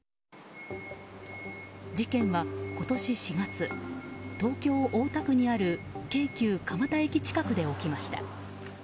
事件は、今年４月東京・大田区にある京急蒲田駅近くで起きました。